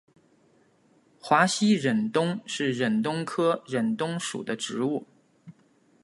华西忍冬是忍冬科忍冬属的植物。